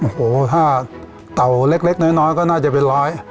โอ้โหถ้าเต่าเล็กน้อยก็น่าจะเป็นร้อย